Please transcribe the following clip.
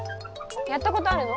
やったことあるの？